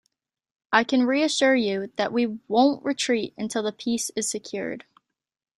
I can reassure you, that we won't retreat until the peace is secured.